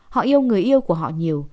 họ yêu người yêu của họ nhiều